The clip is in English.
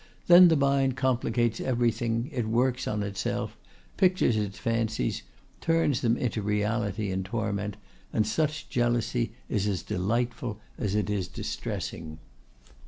Then the mind complicates everything; it works on itself, pictures its fancies, turns them into reality and torment; and such jealousy is as delightful as it is distressing."